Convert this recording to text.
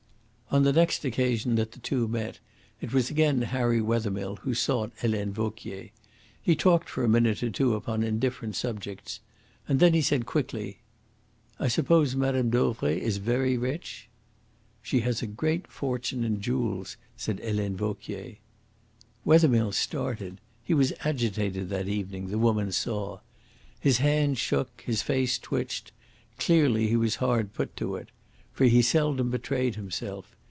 On the next occasion that the two met, it was again Harry Wethermill who sought Helene Vauquier. He talked for a minute or two upon indifferent subjects, and then he said quickly: "I suppose Mme. Dauvray is very rich?" "She has a great fortune in jewels," said Helene Vauquier. Wethermill started. He was agitated that evening, the woman saw. His hands shook, his face twitched. Clearly he was hard put to it. For he seldom betrayed himself.